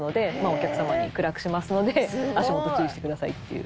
お客様に「暗くしますので足元注意してください」っていう。